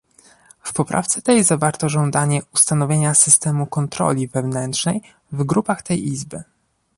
W poprawce tej zawarto żądanie ustanowienia systemu kontroli wewnętrznej w grupach tej Izby